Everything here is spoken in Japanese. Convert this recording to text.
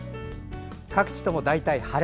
各地とも大体晴れ。